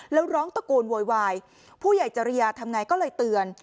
แล้วร้องตะโกนโวยวายผู้ใหญ่จริยาทำไงก็เลยเตือน